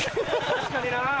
確かにな。